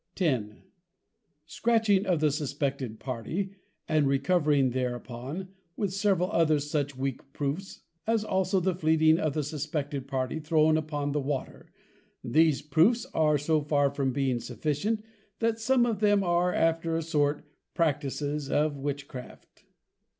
_ X. _Scratching of the suspected party, and Recovery thereupon, with several other such weak Proofs; as also, the fleeting of the suspected Party, thrown upon the Water; these Proofs are so far from being sufficient, that some of them are, after a sort, practices of Witchcraft.